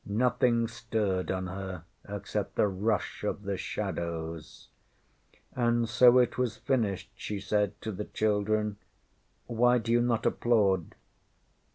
Nothing stirred on her except the rush of the shadows. ŌĆśAnd so it was finished, ŌĆÖ she said to the children. ŌĆśWhy dŌĆÖyou not applaud?